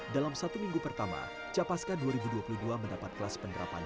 dalam satu minggu pertama capaska dua ribu dua puluh dua mendapat kelas penerapan